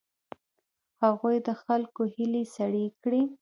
هغوی د خلکو هیلې سړې کړې.